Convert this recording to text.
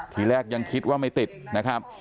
ทีแรกยังคิดว่าไม่ติดนะครับ